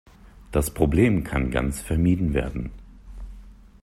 Das Problem kann ganz vermieden werden.